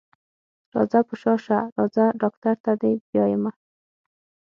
راځه په شا شه راځه ډاکټر ته دې بيايمه.